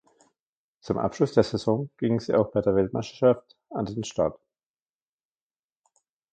Zum Abschluss der Saison gingen sie auch bei der Weltmeisterschaft an den Start.